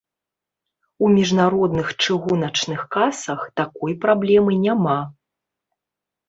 У міжнародных чыгуначных касах такой праблемы няма.